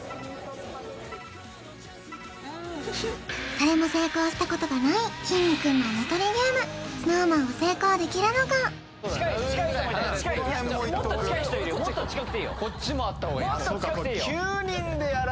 誰も成功したことがないきんに君の飴取りゲームＳｎｏｗＭａｎは成功できるのか近い人もっと近い人いるよであるわけですね